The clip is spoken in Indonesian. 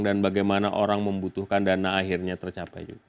dan bagaimana orang membutuhkan dana akhirnya tercapai juga